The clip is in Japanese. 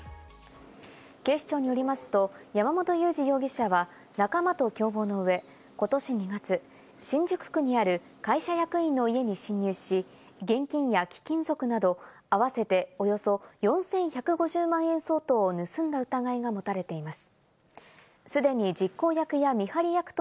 警視庁によりますと、山本裕司容疑者は仲間と共謀のうえ、ことし２月、新宿区にある会社役員の家に侵入し、現金や貴金属など合わせておよそ４１５０万円相当を盗んだ疑いが持たれています。